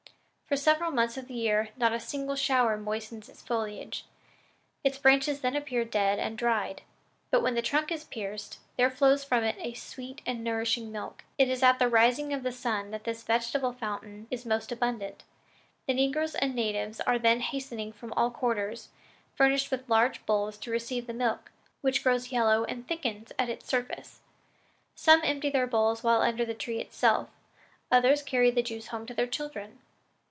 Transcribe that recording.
For several months of the year not a single shower moistens its foliage. Its branches then appear dead and dried; but when the trunk is pierced, there flows from it a sweet and nourishing milk. It is at the rising of the sun that this vegetable fountain is most abundant. The negroes and natives are then seen hastening from all quarters, furnished with large bowls to receive the milk, which grows yellow and thickens at its surface. Some empty their bowls while under the tree itself; others carry the juice home to their children."